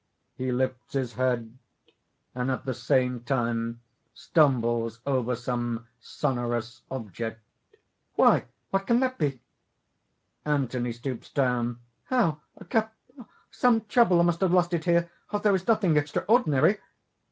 (He lifts his head, and at the same time stumbles over some sonorous object.) "Why! what can that be?" (Anthony stoops down.) "How! a cup! Some traveller must have lost it here. There is nothing extraordinary...."